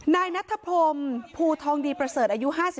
นายนัทพรมภูทองดีประเสริฐอายุ๕๓